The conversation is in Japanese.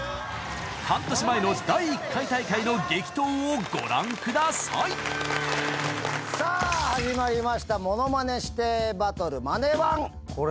［半年前の第１回大会の激闘をご覧ください］さあ始まりました『ものまね師弟バトルＭＡＮＥ−１』これ。